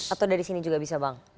atau dari sini juga bisa bang